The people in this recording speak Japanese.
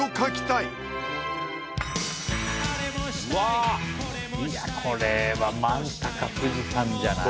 いやこれはマンタか富士山じゃない？